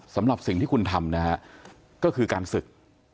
สำหรับสิ่งที่คุณทำนะฮะก็คือการศึก